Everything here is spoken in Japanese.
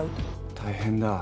大変だあ。